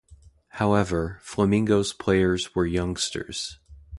However, Flamengo's players were youngsters.